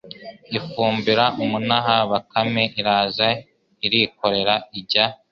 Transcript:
ifumbira umunaba Bakame iraza irikorera ijya